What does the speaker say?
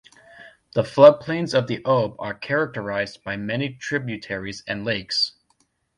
The floodplains of the Ob are characterized by many tributaries and lakes.